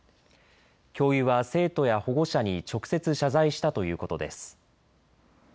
教諭は生徒や保護者に直接、謝罪したということです。